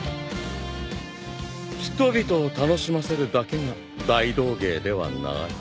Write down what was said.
人々を楽しませるだけが大道芸ではない。